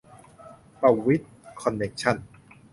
ประวิตร คอนเนคชั่น